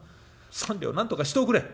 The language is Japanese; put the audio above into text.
三両なんとかしておくれ。